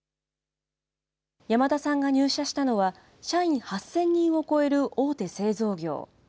山田さんが入社したのは社員８０００人を超える大手製造業。